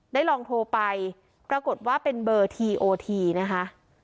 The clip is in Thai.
ได้ลองโทรไปปรากฏว่าเป็นเบอร์ทีโอทีนะคะ